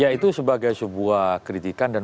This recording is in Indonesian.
ya itu sebagai sebuah kritikan dan